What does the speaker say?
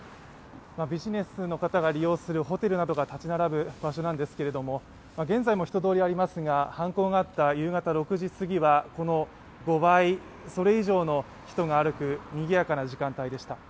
ビジネスの方が利用するホテルなどが立ち並ぶ場所なんですけれども、現在も人通りありますが、犯行があった夕方６時すぎはこの５倍、それ以上の人が歩くにぎやかな時間帯でした。